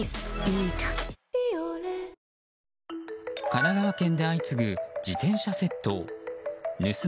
神奈川県で相次ぐ自転車窃盗。